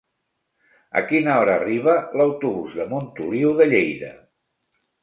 A quina hora arriba l'autobús de Montoliu de Lleida?